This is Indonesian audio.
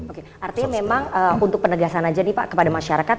oke artinya memang untuk penegasan aja nih pak kepada masyarakat